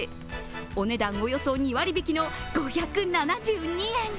お値段およそ２割引の５７２円。